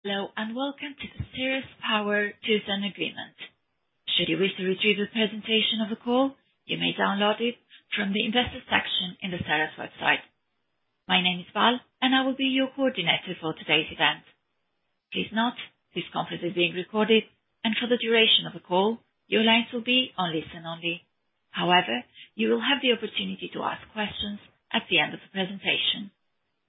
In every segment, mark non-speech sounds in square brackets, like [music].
Hello, and welcome to the Ceres Power Doosan agreement. Should you wish to retrieve a presentation of the call, you may download it from the investor section in the Ceres website. My name is Val, and I will be your coordinator for today's event. Please note, this conference is being recorded, and for the duration of the call, your lines will be on listen only. However, you will have the opportunity to ask questions at the end of the presentation.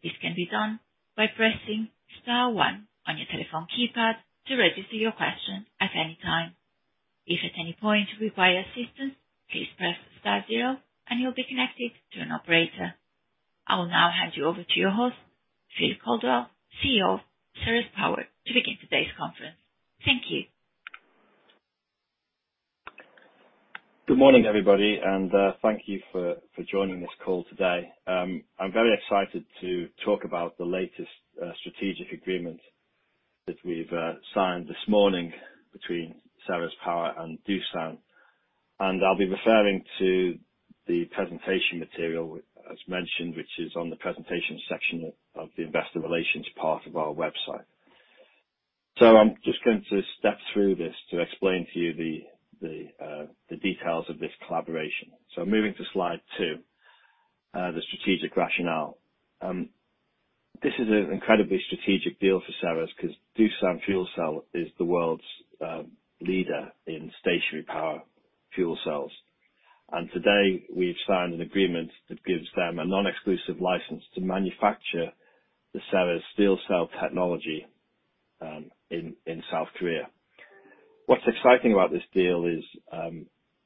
This can be done by pressing star one on your telephone keypad to register your question at any time. If at any point you require assistance, please press star zero and you'll be connected to an operator. I will now hand you over to your host, Phil Caldwell, CEO of Ceres Power, to begin today's conference. Thank you. Good morning everybody, and thank you for joining this call today. I'm very excited to talk about the latest strategic agreement that we've signed this morning between Ceres Power and Doosan. I'll be referring to the presentation material as mentioned, which is on the presentation section of the investor relations part of our website. I'm just going to step through this to explain to you the details of this collaboration. Moving to slide two, the strategic rationale. This is an incredibly strategic deal for Ceres because Doosan Fuel Cell is the world's leader in stationary power fuel cells. Today, we've signed an agreement that gives them a non-exclusive license to manufacture the Ceres SteelCell technology in South Korea. What's exciting about this deal is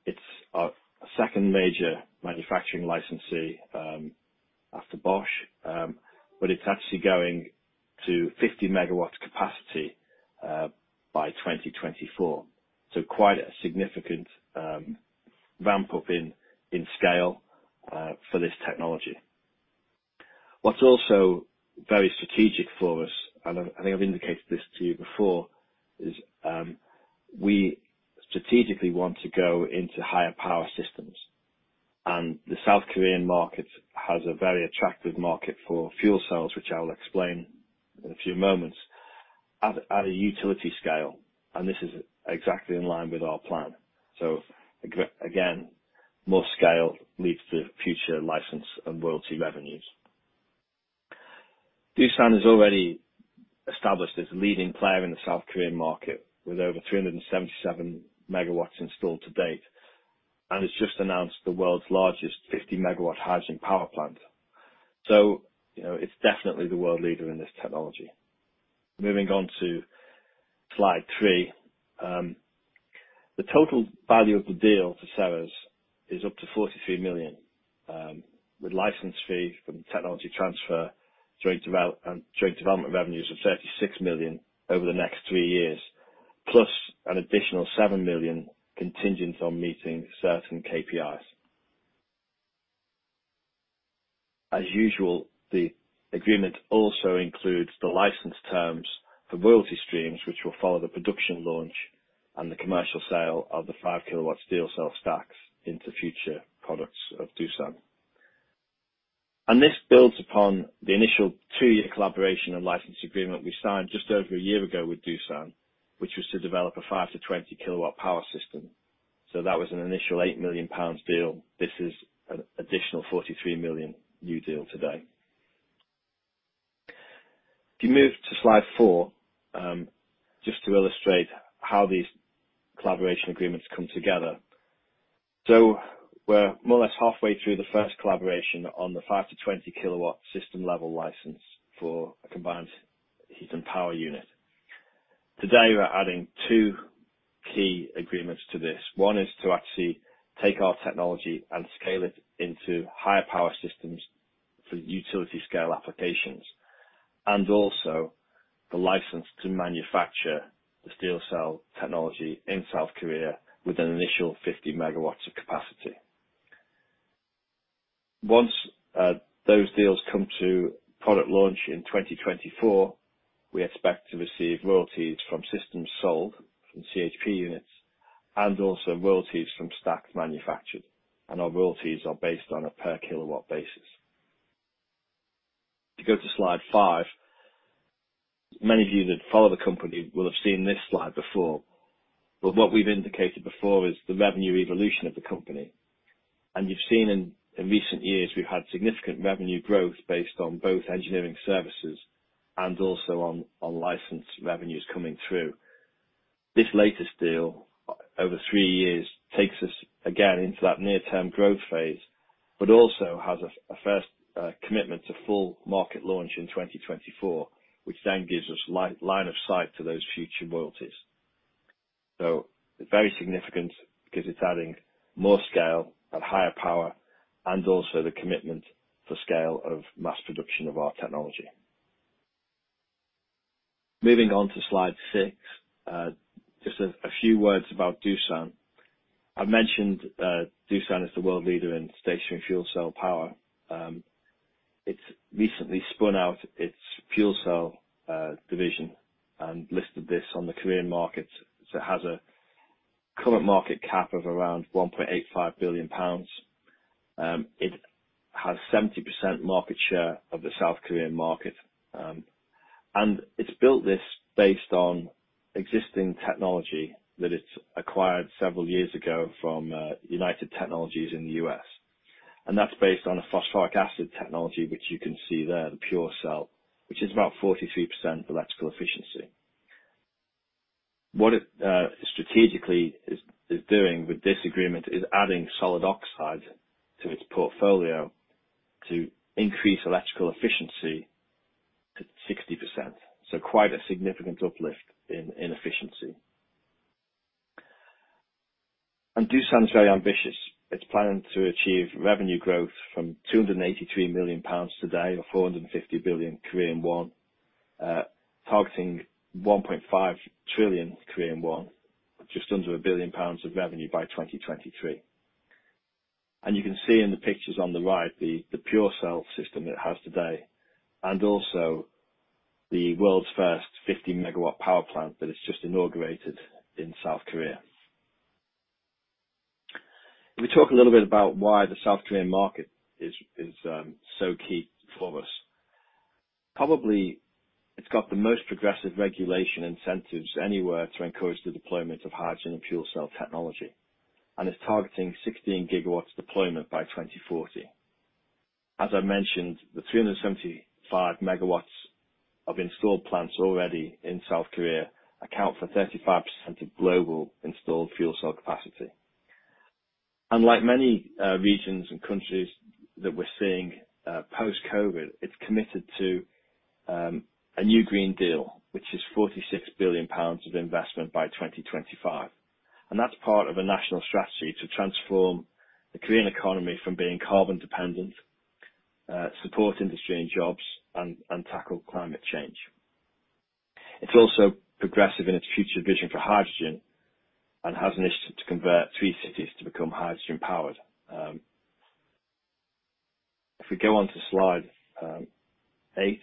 it's our second major manufacturing licensee after Bosch, but it's actually going to 50 MW capacity by 2024. Quite a significant ramp up in scale for this technology. What's also very strategic for us, and I think I've indicated this to you before, is we strategically want to go into higher power systems. The South Korean market has a very attractive market for fuel cells, which I will explain in a few moments, at a utility scale, and this is exactly in line with our plan. Again, more scale leads to future license and royalty revenues. Doosan has already established as a leading player in the South Korean market, with over 377 MW installed to date, and has just announced the world's largest 50 MW hydrogen power plant. It's definitely the world leader in this technology. Moving on to slide three. The total value of the deal for Ceres is up to 43 million, with license fees from technology transfer, joint development revenues of 36 million over the next three years, plus an additional 7 million contingent on meeting certain KPIs. As usual, the agreement also includes the license terms for royalty streams, which will follow the production launch and the commercial sale of the 5 kW SteelCell stacks into future products of Doosan. This builds upon the initial two-year collaboration and license agreement we signed just over a year ago with Doosan, which was to develop a 5 kW-20 kW power system. That was an initial 8 million pounds deal. This is an additional 43 million new deal today. If you move to slide four, just to illustrate how these collaboration agreements come together. We're more or less halfway through the first collaboration on the 5 kW-20 kW system level license for a CHP unit. Today, we're adding two key agreements to this. One is to actually take our technology and scale it into higher power systems for utility scale applications, and also the license to manufacture the SteelCell technology in South Korea with an initial 50 MW of capacity. Once those deals come to product launch in 2024, we expect to receive royalties from systems sold from CHP units and also royalties from stacks manufactured, and our royalties are based on a per kilowatt basis. If you go to slide five, many of you that follow the company will have seen this slide before. What we've indicated before is the revenue evolution of the company. You've seen in recent years, we have had significant revenue growth based on both engineering services and also on license revenues coming through. This latest deal over three years takes us again into that near-term growth phase, but also has a first commitment to full market launch in 2024, which then gives us line of sight to those future royalties. It's very significant because it's adding more scale at higher power and also the commitment for scale of mass production of our technology. Moving on to slide six, just a few words about Doosan. I have mentioned Doosan is the world leader in stationary fuel cell power. It's recently spun out its fuel cell division and listed this on the Korean market, it has a current market cap of around 1.85 billion pounds. It has 70% market share of the South Korean market, and it's built this based on existing technology that it's acquired several years ago from United Technologies in the U.S. That's based on a phosphoric acid technology which you can see there, the PureCell, which is about 43% electrical efficiency. What it strategically is doing with this agreement is adding solid oxide to its portfolio to increase electrical efficiency to 60%. Quite a significant uplift in efficiency. Doosan is very ambitious. It's planning to achieve revenue growth from 283 million pounds today or 450 billion Korean won, targeting 1.5 trillion Korean won, just under 1 billion pounds of revenue by 2023. You can see in the pictures on the right, the PureCell system it has today, and also the world's first 50 MW power plant that it's just inaugurated in South Korea. If we talk a little bit about why the South Korean market is so key for us. Probably, it's got the most progressive regulation incentives anywhere to encourage the deployment of hydrogen and fuel cell technology, and it's targeting 16 GW deployment by 2040. As I mentioned, the 375 MW of installed plants already in South Korea account for 35% of global installed fuel cell capacity. Like many regions and countries that we're seeing post-COVID, it's committed to a new Green New Deal, which is 46 billion pounds of investment by 2025. That's part of a national strategy to transform Korean economy from being carbon dependent, support industry and jobs, and tackle climate change. It's also progressive in its future vision for hydrogen and has an initiative to convert three cities to become hydrogen powered. If we go on to slide eight.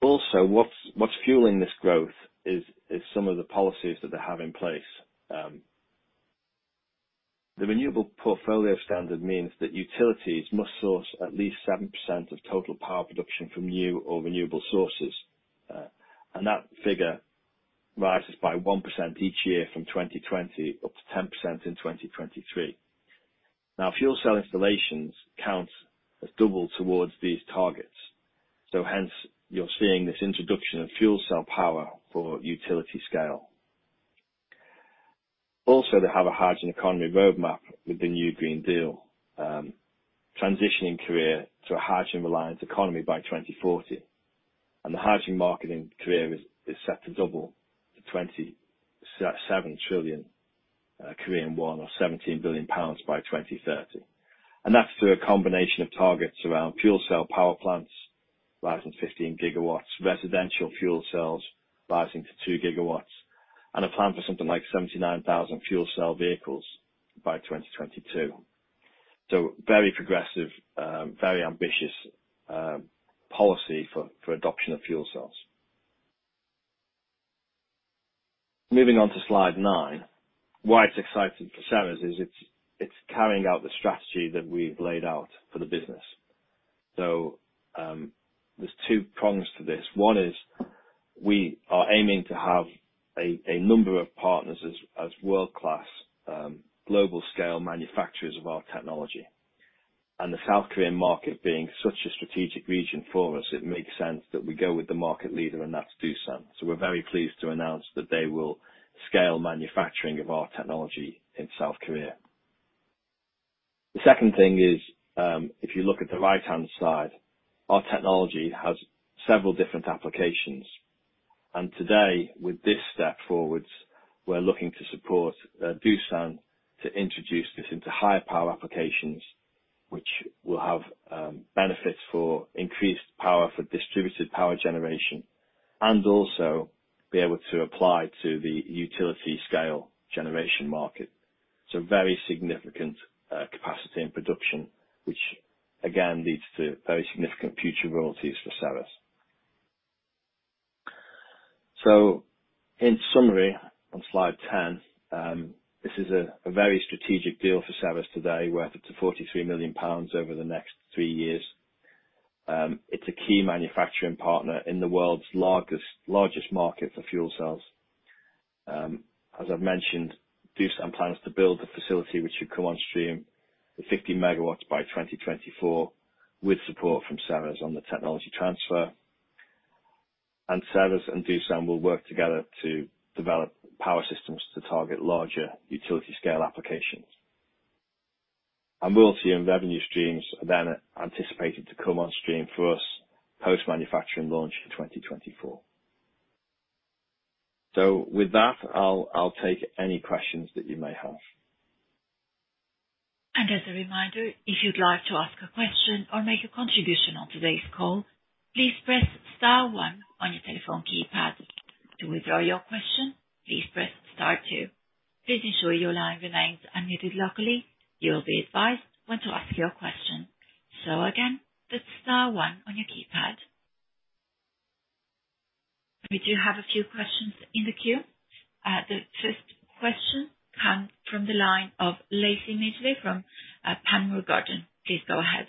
What's fueling this growth is some of the policies that they have in place. The Renewable Portfolio Standard means that utilities must source at least 7% of total power production from new or renewable sources. That figure rises by 1% each year from 2020 up to 10% in 2023. Now, fuel cell installations count as double towards these targets. Hence you're seeing this introduction of fuel cell power for utility scale. They have a Hydrogen Economy Roadmap with the new Green New Deal, transitioning Korea to a hydrogen reliant economy by 2040. The hydrogen market in Korea is set to double to 27 trillion Korean won or 17 billion pounds by 2030. That's through a combination of targets around fuel cell power plants rising 15 GW, residential fuel cells rising to 2 GW, and a plan for something like 79,000 fuel cell vehicles by 2022. Very progressive, very ambitious policy for adoption of fuel cells. Moving on to slide nine. Why it's exciting for Ceres is it's carrying out the strategy that we've laid out for the business. There's two prongs to this. One is we are aiming to have a number of partners as world-class, global scale manufacturers of our technology. The Korean market being such a strategic region for us, it makes sense that we go with the market leader, and that's Doosan. We're very pleased to announce that they will scale manufacturing of our technology in South Korea. The second thing is, if you look at the right-hand side, our technology has several different applications. Today, with this step forward, we're looking to support Doosan to introduce this into higher power applications, which will have benefits for increased power for distributed power generation, and also be able to apply to the utility-scale generation market. Very significant capacity and production, which again leads to very significant future royalties for sales. In summary, on slide 10, this is a very strategic deal for Ceres today, worth up to 43 million pounds over the next three years. It's a key manufacturing partner in the world's largest market for fuel cells. As I've mentioned, Doosan plans to build a facility which should come on stream with 50 MW by 2024, with support from Ceres on the technology transfer. Ceres and Doosan will work together to develop power systems to target larger utility-scale applications. Royalties and revenue streams are then anticipated to come on stream for us post manufacturing launch in 2024. With that, I'll take any questions that you may have. As a reminder if you would like to ask a question or make any contribution to todays call please press star one on your telephone keypad. To withdraw your question please press star two. Again it is star one on your keypad. We do have a few questions in the queue. The first question comes from the line of Lacie Midgley from Panmure Gordon. Please go ahead.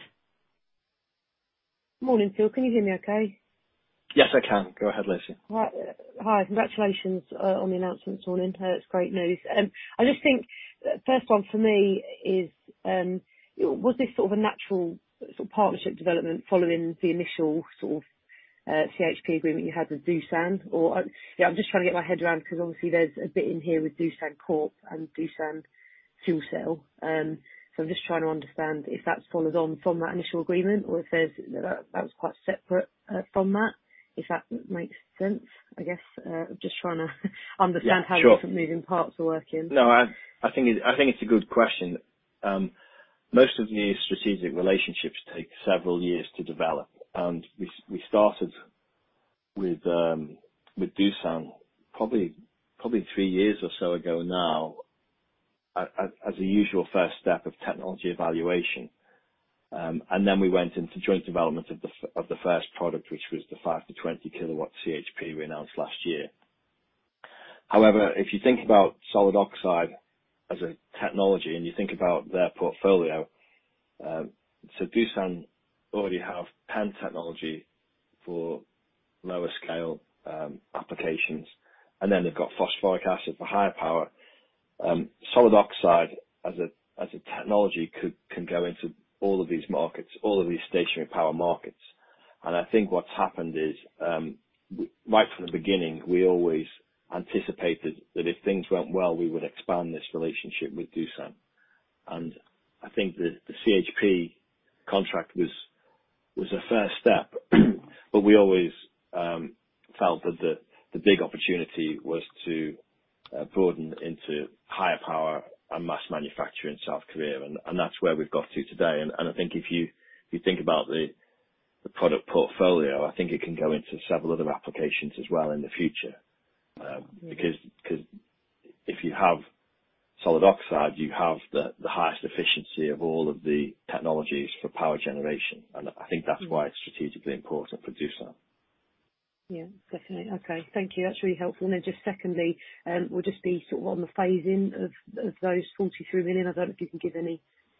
Morning, Phil. Can you hear me okay? Yes, I can. Go ahead, Lacie. Hi. Congratulations on the announcement this morning. That's great news. I just think, first one for me is, was this sort of a natural partnership development following the initial CHP agreement you had with Doosan? Yeah, I'm just trying to get my head around, because obviously there's a bit in here with Doosan Corp and Doosan Fuel Cell. I'm just trying to understand if that follows on from that initial agreement or if that was quite separate from that, if that makes sense. Sure. how the different moving parts are working. No, I think it's a good question. Most of the strategic relationships take several years to develop, and we started with Doosan probably three years or so ago now, as a usual first step of technology evaluation. We went into joint development of the first product, which was the 5 kW-20 kW CHP we announced last year. However, if you think about solid oxide as a technology and you think about their portfolio, so Doosan already have PAFC technology for lower scale applications, and then they've got phosphoric acid for higher power. Solid oxide as a technology can go into all of these markets, all of these stationary power markets. I think what's happened is, right from the beginning, we always anticipated that if things went well, we would expand this relationship with Doosan. I think the CHP contract was the first step, but we always felt that the big opportunity was to broaden into higher power and mass manufacture in South Korea. That's where we've got to today. I think if you think about the product portfolio, I think it can go into several other applications as well in the future, because if you have solid oxide, you have the highest efficiency of all of the technologies for power generation. I think that's why it's strategically important for Doosan. Yeah, definitely. Okay. Thank you. That's really helpful. just secondly, would just be sort of on the phasing of those 43 million. I don't know if you can give any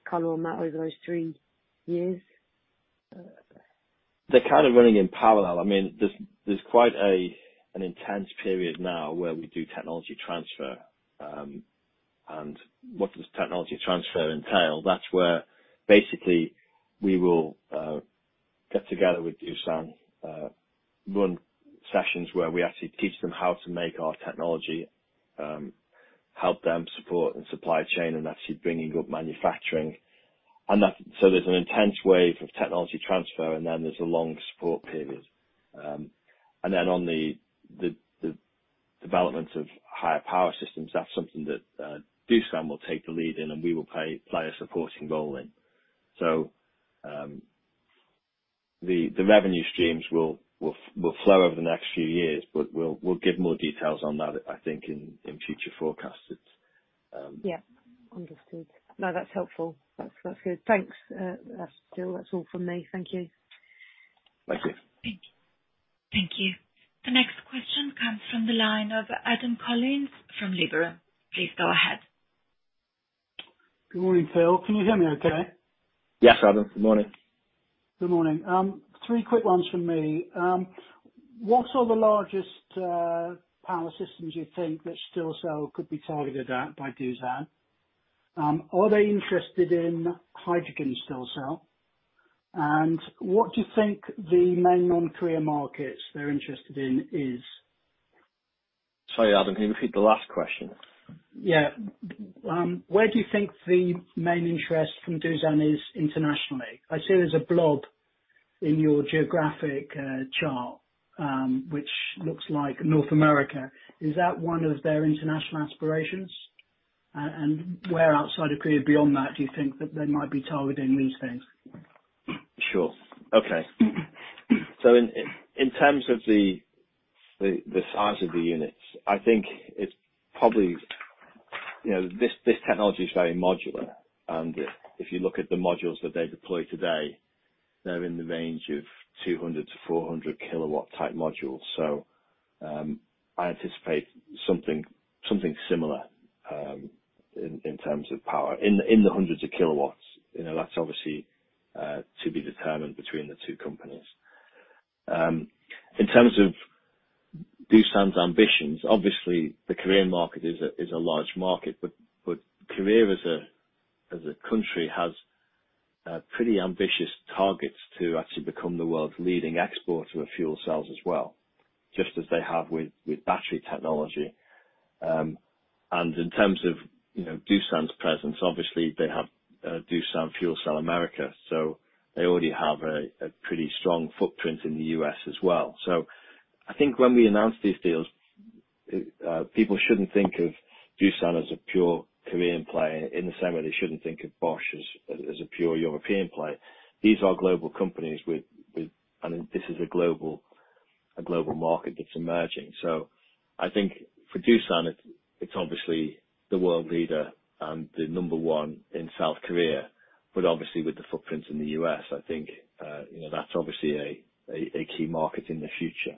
color on that over those three years? They're kind of running in parallel. There's quite an intense period now where we do technology transfer. What does technology transfer entail? That's where basically we will get together with Doosan, run sessions where we actually teach them how to make our technology, help them support the supply chain and actually bringing up manufacturing. There's an intense wave of technology transfer, and then there's a long support period. On the development of higher power systems, that's something that Doosan will take the lead in and we will play a supporting role in. The revenue streams will flow over the next few years, but we'll give more details on that, I think, in future forecasts. Yeah. Understood. No, that's helpful. That's good. Thanks, Phil. That's all from me. Thank you. Thank you. Thank you. The next question comes from the line of Adam Collins from Liberum. Please go ahead. Good morning, Phil. Can you hear me okay? Yes, Adam. Good morning. Good morning. Three quick ones from me. What are the largest power systems you think that SteelCell could be targeted at by Doosan? Are they interested in hydrogen SteelCell? What do you think the main non-Korean markets they're interested in is? Sorry, Adam. Can you repeat the last question? Yeah. Where do you think the main interest from Doosan is internationally? I see there's a blob in your geographic chart, which looks like North America. Is that one of their international aspirations? Where outside of Korea beyond that do you think that they might be targeting these things? Sure. Okay. In terms of the size of the units, This technology is very modular, and if you look at the modules that they deploy today, they're in the range of 200 kW-400 kW type modules. I anticipate something similar, in terms of power, in the hundreds of kilowatts. That's obviously to be determined between the two companies. In terms of Doosan's ambitions, obviously the Korean market is a large market, but Korea as a country has pretty ambitious targets to actually become the world's leading exporter of fuel cells as well, just as they have with battery technology. In terms of Doosan's presence, obviously they have Doosan Fuel Cell America, so they already have a pretty strong footprint in the U.S. as well. I think when we announce these deals, people shouldn't think of Doosan as a pure Korean player in the same way they shouldn't think of Bosch as a pure European player. These are global companies with and this is a global market that's emerging. I think for Doosan, it's obviously the world leader and the number one in South Korea obviously with the footprint in the U.S., I think that's obviously a key market in the future.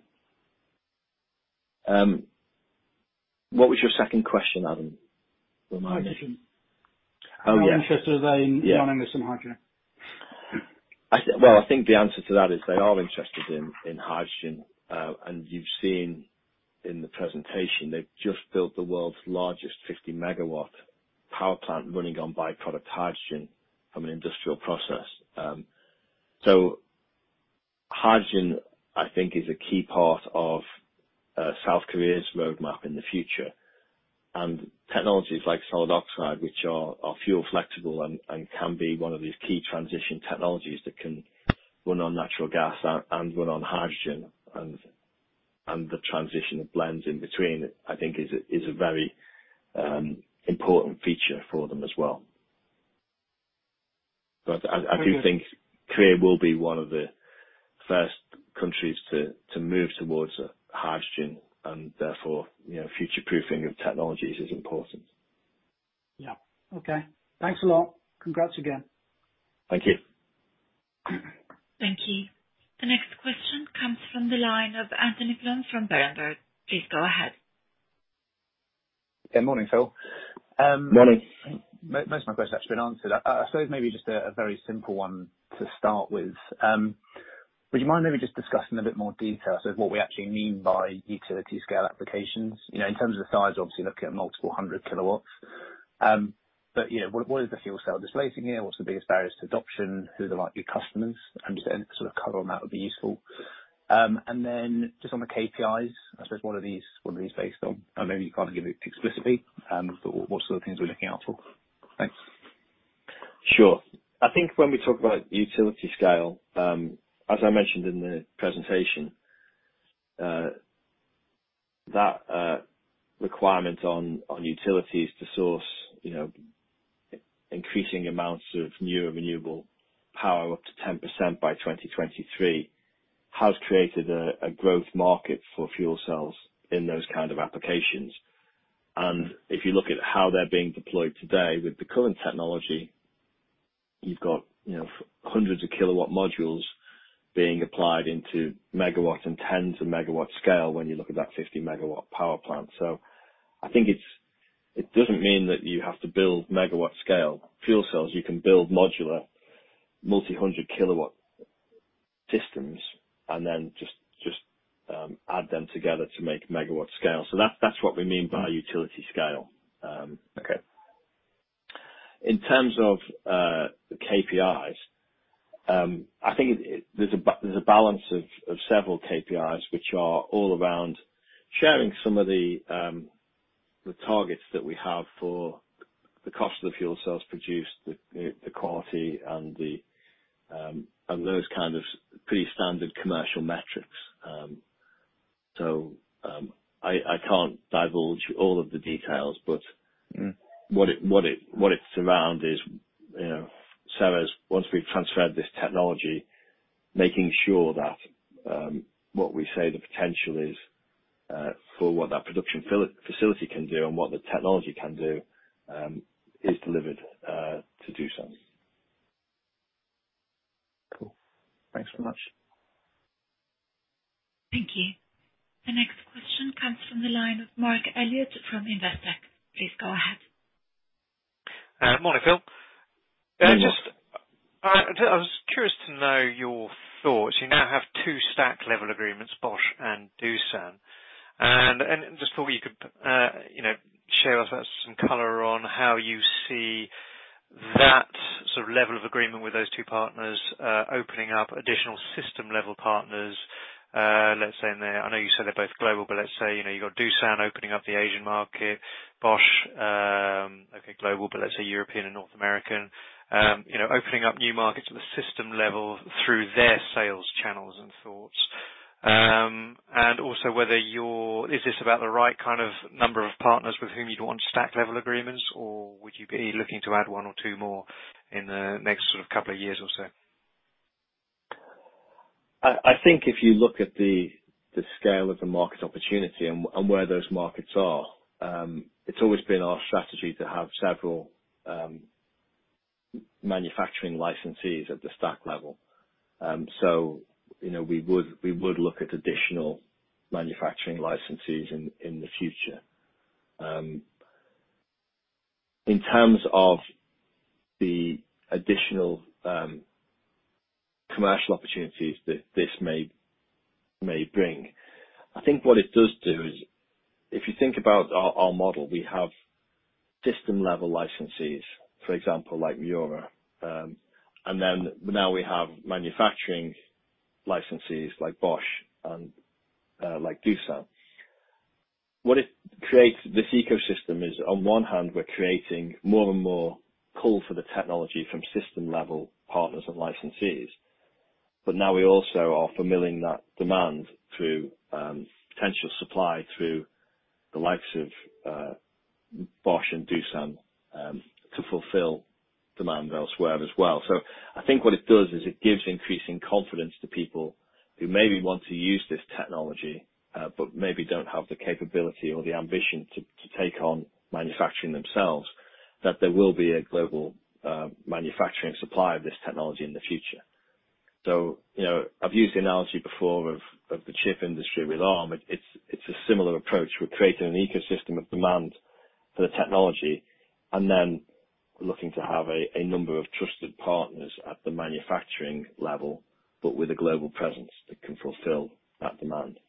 What was your second question, Adam? Hydrogen. Oh, yeah. How interested are they in running this on hydrogen? Well, I think the answer to that is they are interested in hydrogen. You've seen in the presentation, they've just built the world's largest 50 MW power plant running on byproduct hydrogen from an industrial process. Hydrogen, I think, is a key part of South Korea's roadmap in the future. Technologies like solid oxide, which are fuel flexible and can be one of these key transition technologies that can run on natural gas and run on hydrogen, and the transition blends in between, I think is a very important feature for them as well. I do think Korea will be one of the first countries to move towards hydrogen, and therefore future-proofing of technologies is important. Yeah. Okay. Thanks a lot. Congrats again. Thank you. Thank you. The next question comes from the line of Anthony Plom from Berenberg. Please go ahead. Yeah, morning, Phil. Morning. Most of my question has been answered. I suppose maybe just a very simple one to start with. Would you mind maybe just discussing a bit more detail sort of what we actually mean by utility scale applications? In terms of the size, obviously looking at multiple hundred kilowatts. What is the fuel cell displacing here? What's the biggest barriers to adoption? Who are the likely customers? I'm just saying sort of cover on that would be useful. Just on the KPIs, I suppose one of these based on, maybe you can't give it explicitly, but what sort of things we're looking out for. Thanks. Sure. I think when we talk about utility scale, as I mentioned in the presentation, that requirement on utilities to source increasing amounts of new and renewable power up to 10% by 2023, has created a growth market for fuel cells in those kind of applications. If you look at how they're being deployed today with the current technology, you've got hundreds of kilowatt modules being applied into megawatts and tens of megawatt scale when you look at that 50 MW power plant. I think it doesn't mean that you have to build megawatt scale fuel cells. You can build modular multi-hundred kilowatt systems and then just add them together to make megawatt scale. That's what we mean by utility scale. Okay. In terms of the KPIs, I think there's a balance of several KPIs which are all around sharing some of the targets that we have for the cost of the fuel cells produced, the quality, and those kind of pretty standard commercial metrics. I can't divulge all of the details, but- what it's around is, Ceres, once we've transferred this technology, making sure that what we say the potential is for what that production facility can do and what the technology can do is delivered to Doosan. Cool. Thanks very much. Thank you. The next question comes from the line of Marc Elliott from Investec. Please go ahead. Morning, Phil. Morning. I was curious to know your thoughts. You now have two stack level agreements, Bosch and Doosan. Just thought you could share with us some color on how you see that sort of level of agreement with those two partners opening up additional system-level partners, let's say in there, I know you said they're both global, but let's say, you got Doosan opening up the Asian market, Bosch, okay, global, but let's say European and North American. Opening up new markets at the system level through their sales channels and thoughts. Is this about the right kind of number of partners with whom you'd want stack-level agreements, or would you be looking to add one or two more in the next sort of couple of years or so? I think if you look at the scale of the market opportunity and where those markets are, it's always been our strategy to have several manufacturing licensees at the stack level. we would look at additional manufacturing licensees in the future. In terms of the additional commercial opportunities that this may bring, I think what it does do is, if you think about our model, we have system-level licensees, for example, like Miura. Then now we have manufacturing licensees like Bosch and like Doosan. What it creates, this ecosystem is on one hand, we're creating more and more call for the technology from system-level partners and licensees. now we also are fulfilling that demand through potential supply through the likes of Bosch and Doosan, to fulfill demand elsewhere as well. I think what it does is it gives increasing confidence to people who maybe want to use this technology, but maybe don't have the capability or the ambition to take on manufacturing themselves, that there will be a global manufacturing supply of this technology in the future. I've used the analogy before of the chip industry with Arm. It's a similar approach. We're creating an ecosystem of demand for the technology and then looking to have a number of trusted partners at the manufacturing level, but with a global presence that can fulfill that demand.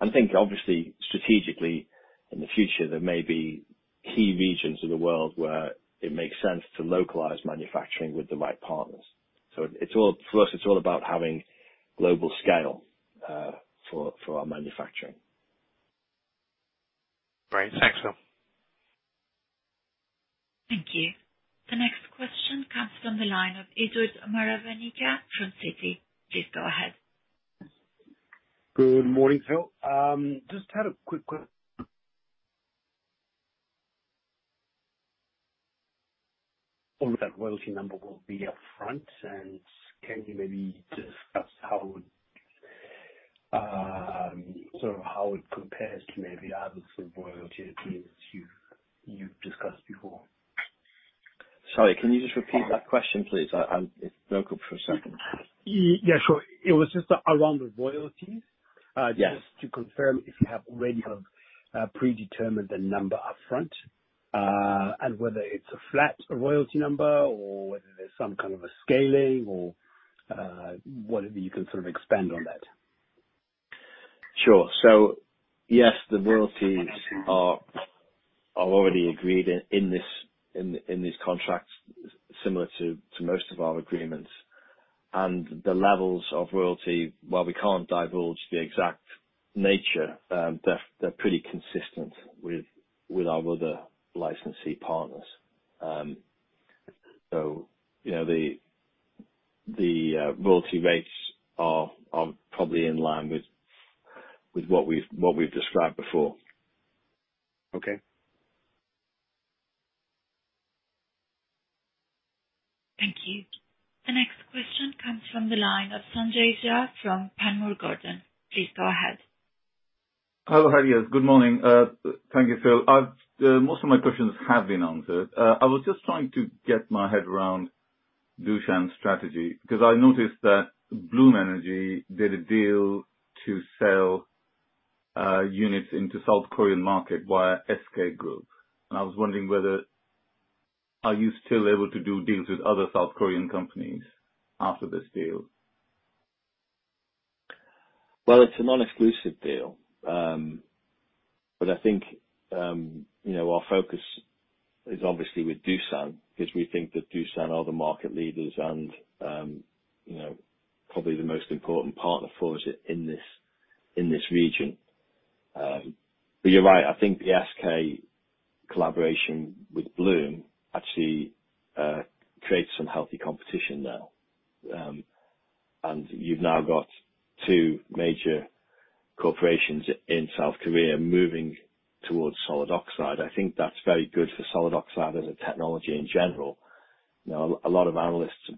I think, obviously, strategically in the future, there may be key regions of the world where it makes sense to localize manufacturing with the right partners. for us, it's all about having global scale for our manufacturing. Great. Thanks, Phil. Thank you. The next question comes from the line of Edward Maravanyika from Citi. Please go ahead. Good morning, Phil. Just had a quick question. That royalty number will be upfront, and can you maybe discuss how it compares to maybe other royalty agreements you've discussed before? Sorry, can you just repeat that question, please? It broke up for a second. Yeah, sure. It was just around the royalties. Yes. Just to confirm if you have already predetermined the number upfront, and whether it's a flat royalty number or whether there's some kind of a scaling or whatever you can sort of expand on that? Sure. Yes, the royalties are already agreed in these contracts, similar to most of our agreements. The levels of royalty, while we can't divulge the exact nature, they're pretty consistent with our other licensee partners. The royalty rates are probably in line with what we've described before. Okay. Thank you. The next question comes from the line of Sanjay Jha from Panmure Gordon. Please go ahead. Hello, how are you? Good morning. Thank you, Phil. Most of my questions have been answered. I was just trying to get my head around Doosan's strategy because I noticed that Bloom Energy did a deal to sell units into South Korean market via SK Group, and I was wondering are you still able to do deals with other South Korean companies after this deal? Well, it's a non-exclusive deal. I think our focus is obviously with Doosan because we think that Doosan are the market leaders and probably the most important partner for us in this region. You're right, I think the SK collaboration with Bloom actually creates some healthy competition now. You've now got two major corporations in South Korea moving towards solid oxide. I think that's very good for solid oxide as a technology in general. A lot of analysts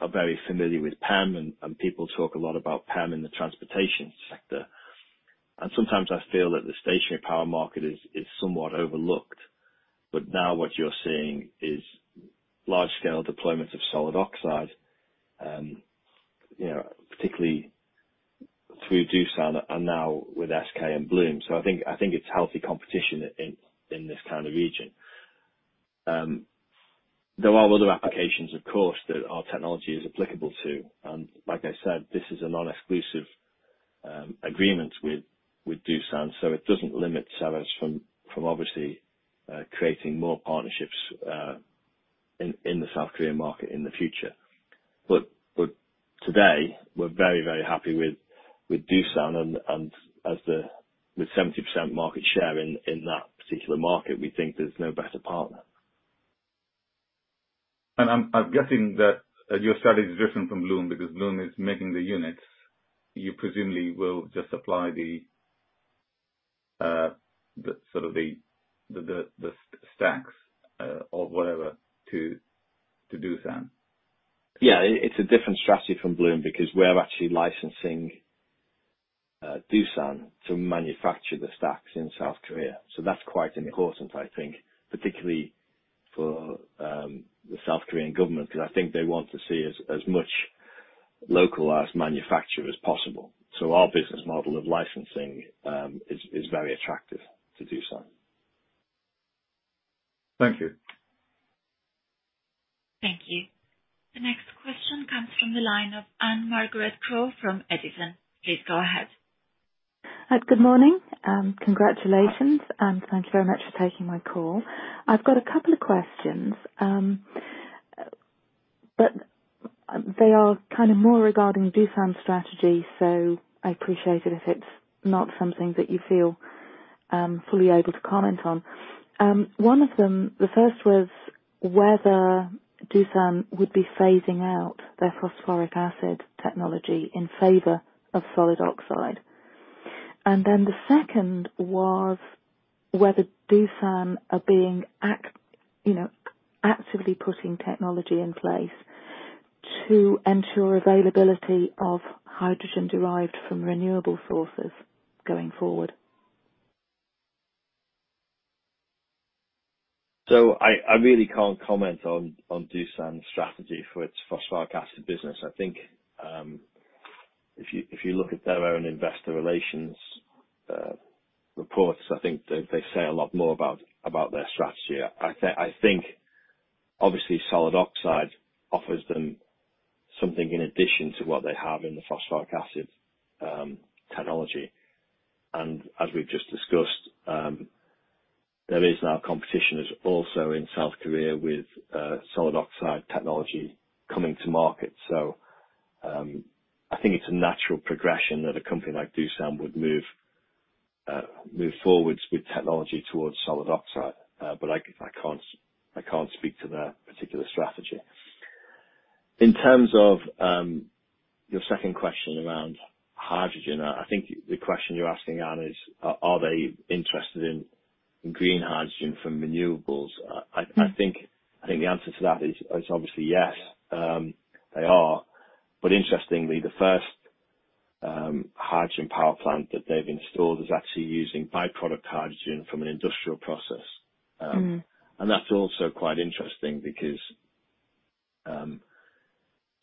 are very familiar with PEM, and people talk a lot about PEM in the transportation sector. Sometimes I feel that the stationary power market is somewhat overlooked. Now what you're seeing is large scale deployments of solid oxide, particularly through Doosan and now with SK and Bloom. I think it's healthy competition in this kind of region. There are other applications, of course, that our technology is applicable to, and like I said, this is a non-exclusive agreement with Doosan, so it doesn't limit us from obviously creating more partnerships in the South Korean market in the future. Today, we're very happy with Doosan and with 70% market share in that particular market, we think there's no better partner. I'm guessing that your strategy is different from Bloom, because Bloom is making the units. You presumably will just supply the stacks or whatever to Doosan. Yeah. It's a different strategy from Bloom because we're actually licensing Doosan to manufacture the stacks in South Korea. That's quite important, I think, particularly for the South Korean government, because I think they want to see as much localized manufacture as possible. Our business model of licensing is very attractive to Doosan. Thank you. Thank you. The next question comes from the line of Anne Margaret Crow from Edison. Please go ahead. Good morning. Congratulations, and thank you very much for taking my call. I've got a couple of questions, but they are kind of more regarding Doosan's strategy, so I appreciate it if it's not something that you feel fully able to comment on. One of them, the first was whether Doosan would be phasing out their phosphoric acid technology in favor of solid oxide. The second was whether Doosan are actively putting technology in place to ensure availability of hydrogen derived from renewable sources going forward. I really can't comment on Doosan's strategy for its phosphoric acid business. I think if you look at their own investor relations reports, I think they say a lot more about their strategy. I think, obviously, solid oxide offers them something in addition to what they have in the phosphoric acid technology. As we've just discussed, there is now competition also in South Korea with solid oxide technology coming to market. I think it's a natural progression that a company like Doosan would move forwards with technology towards solid oxide. I can't speak to their particular strategy. In terms of your second question around hydrogen, I think the question you're asking, Anne, is are they interested in green hydrogen from renewables? I think the answer to that is obviously yes they are. Interestingly, the first hydrogen power plant that they've installed is actually using byproduct hydrogen from an industrial process. That's also quite interesting because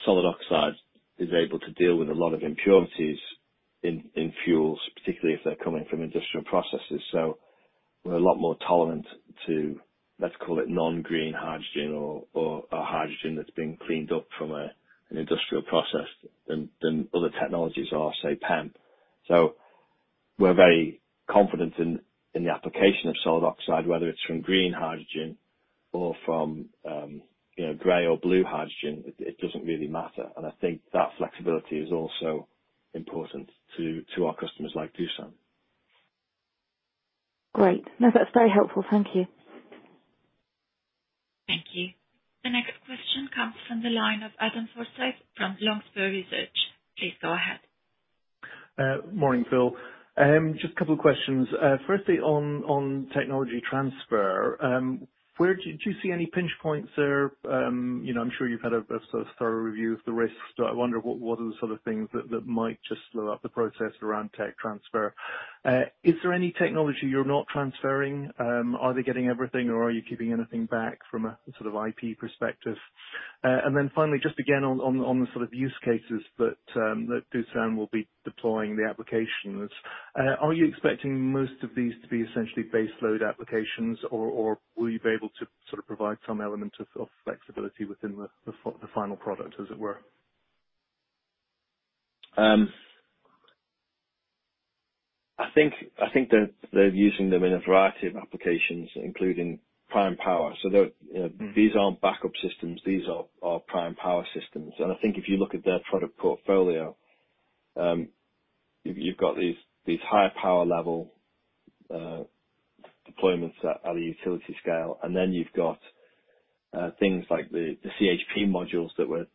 solid oxide is able to deal with a lot of impurities in fuels, particularly if they're coming from industrial processes. We're a lot more tolerant to, let's call it non-green hydrogen or hydrogen that's been cleaned up from an industrial process than other technologies are, say, PEM. We're very confident in the application of solid oxide, whether it's from green hydrogen or from gray or blue hydrogen, it doesn't really matter. I think that flexibility is also important to our customers like Doosan. Great. No, that's very helpful. Thank you. Thank you. The next question comes from the line of Adam Forsyth from Longspur Research. Please go ahead. Morning, Phil. Just a couple of questions. Firstly, on technology transfer, do you see any pinch points there? I'm sure you've had a thorough review of the risks. I wonder, what are the sort of things that might just slow up the process around tech transfer? Is there any technology you're not transferring? Are they getting everything or are you keeping anything back from a sort of IP perspective? Then finally, just again on the sort of use cases that Doosan will be deploying the applications. Are you expecting most of these to be essentially base load applications, or will you be able to sort of provide some element of flexibility within the final product, as it were? I think they're using them in a variety of applications, including prime power. These aren't backup systems. These are prime power systems. I think if you look at their product portfolio, you've got these high power level deployments at a utility scale, and then you've got things like the CHP modules.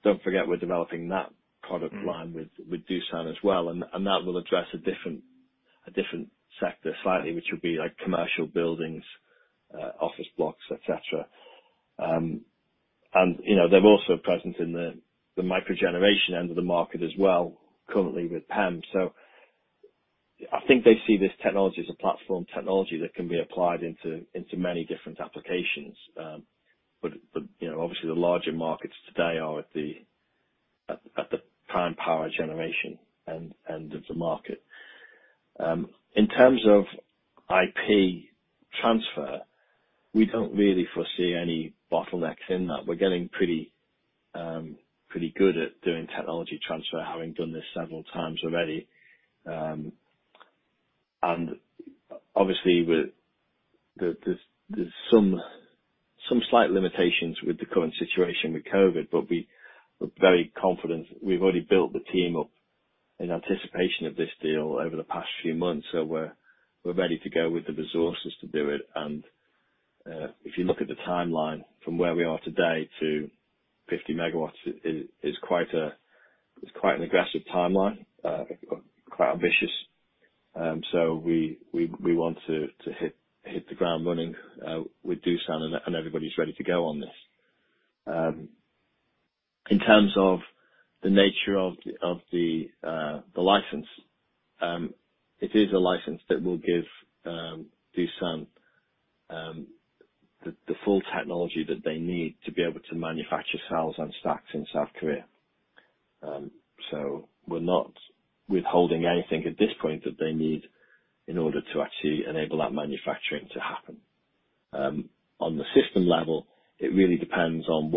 Don't forget we're developing that product line with Doosan as well. That will address a different sector slightly, which would be like commercial buildings, office blocks, et cetera. They're also present in the microgeneration end of the market as well, currently with PEM. I think they see this technology as a platform technology that can be applied into many different applications. Obviously the larger markets today are at the prime power generation end of the market. In terms of IP transfer, we don't really foresee any bottlenecks in that. We're getting pretty good at doing technology transfer, having done this several times already. Obviously, there's some slight limitations with the current situation with COVID, but we're very confident. We've already built the team up in anticipation of this deal over the past few months. We're ready to go with the resources to do it. If you look at the timeline from where we are today to 50 MW, it's quite an aggressive timeline, quite ambitious. We want to hit the ground running with Doosan, and everybody's ready to go on this. In terms of the nature of the license, it is a license that will give Doosan the full technology that they need to be able to manufacture cells and stacks in South Korea. We are not withholding anything at this point that they need in order to actually enable that manufacturing to happen. On the system level, it really depends on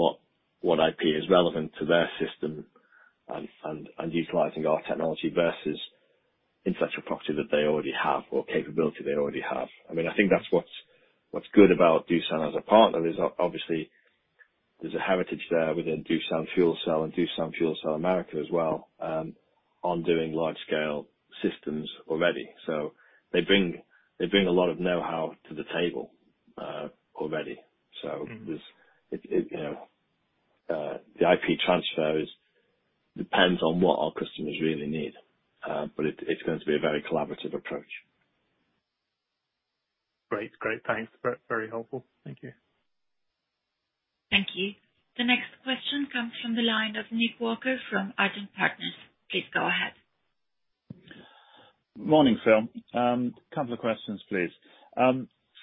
what IP is relevant to their system and utilizing our technology versus intellectual property that they already have or capability they already have. I think that's what's good about Doosan as a partner is obviously there's a heritage there within Doosan Fuel Cell and Doosan Fuel Cell America as well, on doing large scale systems already. They bring a lot of know-how to the table already. The IP transfers depends on what our customers really need, but it's going to be a very collaborative approach. Great. Thanks. Very helpful. Thank you. Thank you. The next question comes from the line of Nick Walker from Arden Partners. Please go ahead. Morning, Phil. Couple of questions, please.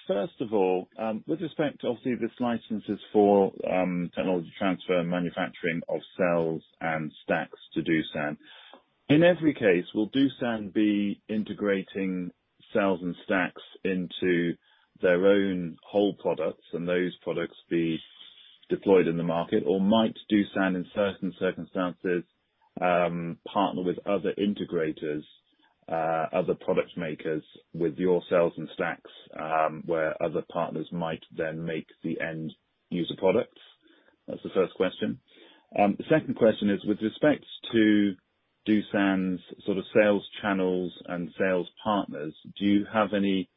First of all, with respect, obviously, this license is for technology transfer and manufacturing of cells and stacks to Doosan. In every case, will Doosan be integrating cells and stacks into their own whole products and those products be deployed in the market or might Doosan, in certain circumstances, partner with other integrators, other product makers with your cells and stacks, where other partners might then make the end user products? That's the first question. The second question is, with respect to Doosan's sales channels and sales partners, do you have any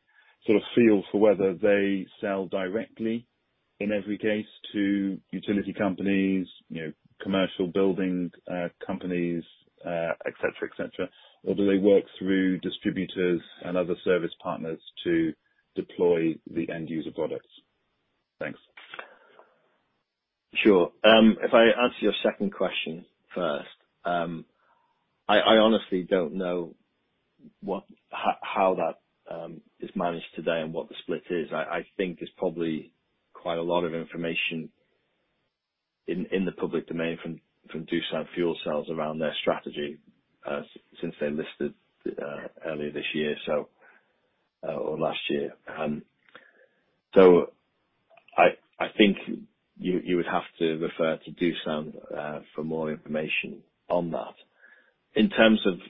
sort of feel for whether they sell directly in every case to utility companies, commercial building companies, et cetera, or do they work through distributors and other service partners to deploy the end user products? Thanks. Sure. If I answer your second question first. I honestly don't know how that is managed today and what the split is. I think there's probably quite a lot of information in the public domain from Doosan Fuel Cell around their strategy since they listed earlier this year or last year. I think you would have to refer to Doosan for more information on that. In terms of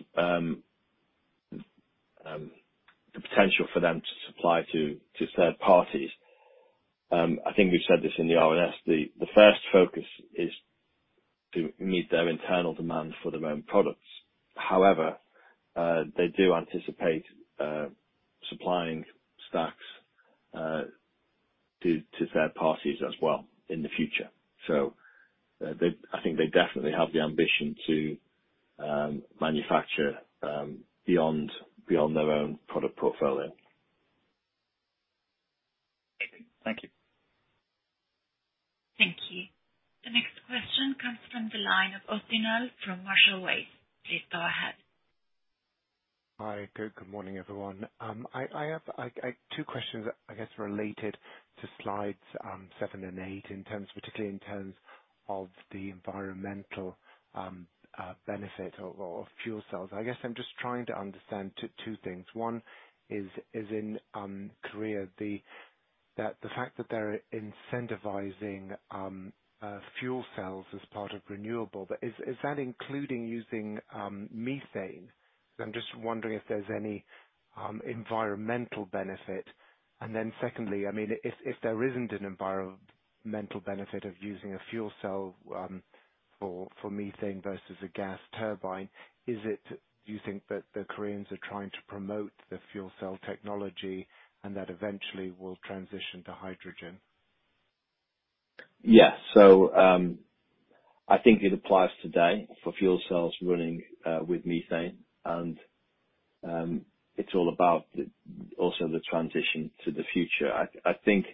the potential for them to supply to third parties, I think we've said this in the RNS, the first focus is to meet their internal demand for their own products. However, they do anticipate supplying stacks to third parties as well in the future. I think they definitely have the ambition to manufacture beyond their own product portfolio. Thank you. Thank you. The next question comes from the line of [inaudible] from Marshall Wace. Please go ahead. Hi. Good morning, everyone. I have two questions, I guess, related to slides seven and eight, particularly in terms of the environmental benefit of fuel cells. I guess I'm just trying to understand two things. One is in Korea, the fact that they're incentivizing fuel cells as part of renewables, is that including using methane? I'm just wondering if there's any environmental benefit. Secondly, if there isn't an environmental benefit of using a fuel cell for methane versus a gas turbine, do you think that the Koreans are trying to promote the fuel cell technology and that eventually we'll transition to hydrogen? Yeah. I think it applies today for fuel cells running with methane, and it's all about also the transition to the future. I think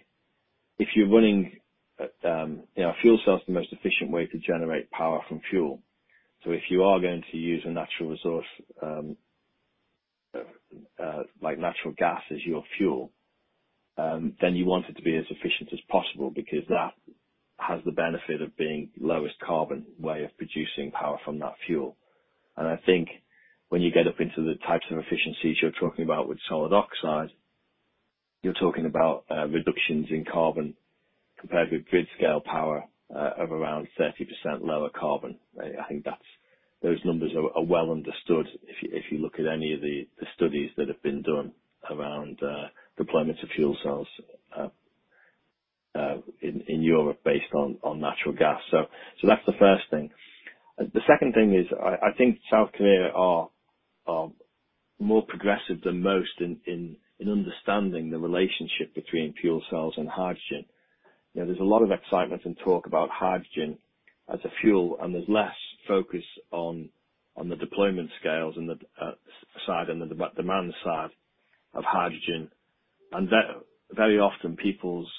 fuel cell is the most efficient way to generate power from fuel. If you are going to use a natural resource, like natural gas as your fuel, then you want it to be as efficient as possible because that has the benefit of being lowest carbon way of producing power from that fuel. I think when you get up into the types of efficiencies you're talking about with solid oxide, you're talking about reductions in carbon compared with grid scale power of around 30% lower carbon. I think those numbers are well understood if you look at any of the studies that have been done around deployment of fuel cells in Europe based on natural gas. That's the first thing. The second thing is, I think South Korea are more progressive than most in understanding the relationship between fuel cells and hydrogen. There's a lot of excitement and talk about hydrogen as a fuel, there's less focus on the deployment scales and the demand side of hydrogen. Very often, people's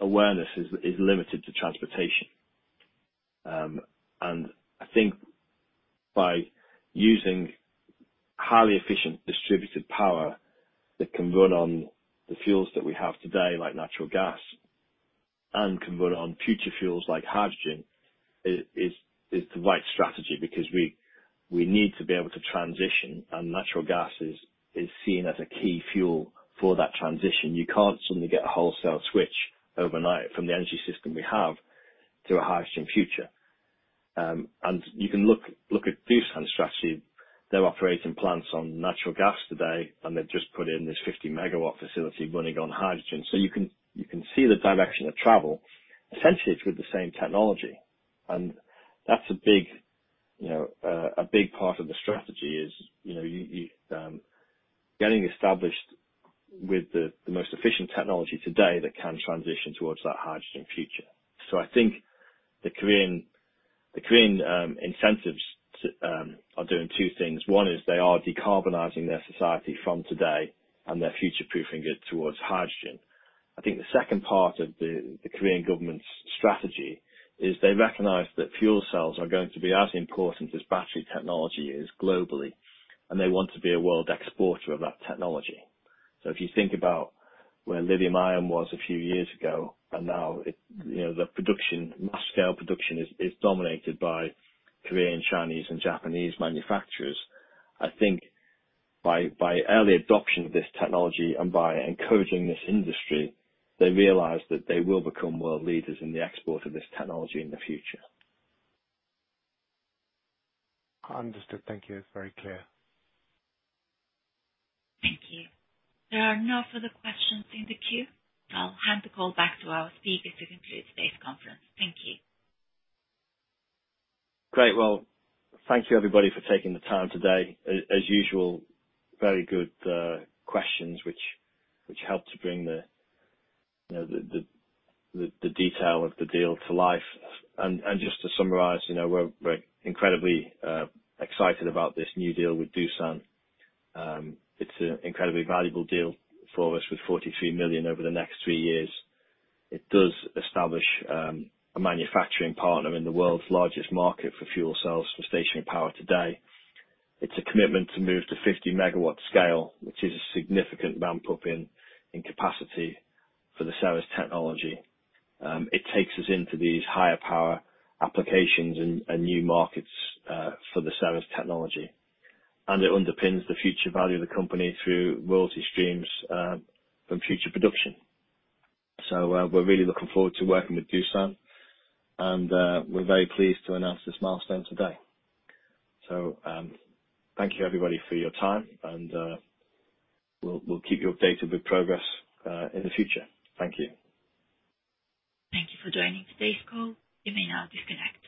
awareness is limited to transportation. I think by using highly efficient distributed power that can run on the fuels that we have today, like natural gas, and can run on future fuels like hydrogen is the right strategy because we need to be able to transition, and natural gas is seen as a key fuel for that transition. You can't suddenly get a wholesale switch overnight from the energy system we have to a hydrogen future. You can look at Doosan's strategy. They're operating plants on natural gas today, and they've just put in this 50 MW facility running on hydrogen. You can see the direction of travel. Essentially, it's with the same technology. That's a big part of the strategy is getting established with the most efficient technology today that can transition towards that hydrogen future. I think the Korean incentives are doing two things. One is they are decarbonizing their society from today and they're future-proofing it towards hydrogen. I think the second part of the Korean government's strategy is they recognize that fuel cells are going to be as important as battery technology is globally, and they want to be a world exporter of that technology. If you think about where lithium-ion was a few years ago, and now the mass scale production is dominated by Korean, Chinese, and Japanese manufacturers. I think by early adoption of this technology and by encouraging this industry, they realize that they will become world leaders in the export of this technology in the future. Understood. Thank you. Very clear. Thank you. There are no further questions in the queue. I'll hand the call back to our speaker to conclude today's conference. Thank you. Great. Well, thank you everybody for taking the time today. As usual, very good questions which help to bring the detail of the deal to life. Just to summarize, we're incredibly excited about this new deal with Doosan. It's an incredibly valuable deal for us with 43 million over the next three years. It does establish a manufacturing partner in the world's largest market for fuel cells for stationary power today. It's a commitment to move to 50 MW scale, which is a significant ramp up in capacity for the Ceres technology. It takes us into these higher power applications and new markets for the Ceres technology. It underpins the future value of the company through royalty streams from future production. We're really looking forward to working with Doosan, and we're very pleased to announce this milestone today. Thank you everybody for your time, and we'll keep you updated with progress in the future. Thank you. Thank you for joining today's call. You may now disconnect.